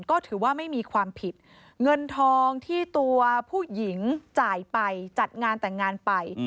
ก็ถือว่าไม่มีความผิดเงินทองที่ตัวผู้หญิงจ่ายไปจัดงานแต่งงานไป